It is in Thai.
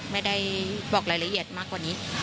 ไม่ได้บอกรายละเอียดมากกว่านี้